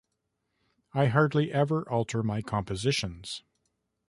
I hardly ever alter my compositions.